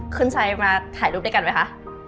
คุณชัยมาถ่ายรูปด้วยกันไหมคะ